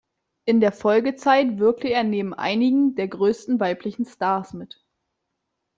In der Folgezeit wirkte er neben einigen der größten weiblichen Stars mit.